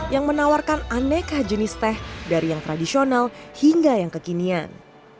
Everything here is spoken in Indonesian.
yang menawarkan aneka jenis teh dari yang tradisional hingga yang kekinian